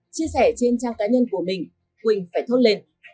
chia sẻ trên trang cá nhân của mình quỳnh phải thốt lên